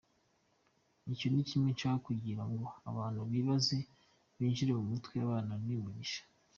Icyo ni kimwe nshaka kugira ngo abantu bibanze bibinjire mu mutwe, abana ni umugisha.